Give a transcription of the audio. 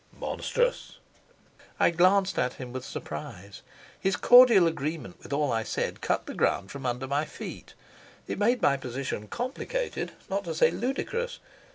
"Monstrous." I glanced at him with surprise. His cordial agreement with all I said cut the ground from under my feet. It made my position complicated, not to say ludicrous.